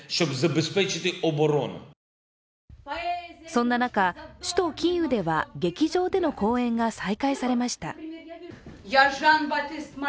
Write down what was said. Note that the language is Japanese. そんな中、首都キーウでは劇場での公演が再開されました。